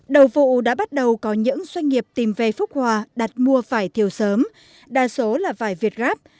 đầu vụ đã bắt đầu có những doanh nghiệp tìm về phúc hòa đặt mua vải thiều sớm đa số là vải việt gáp